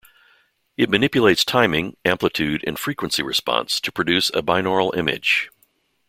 It manipulates timing, amplitude and frequency response to produce a binaural image.